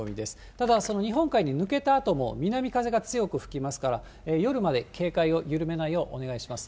ただ、その日本海に抜けたあとも、南風が強く吹きますから、夜まで警戒を緩めないようお願いします。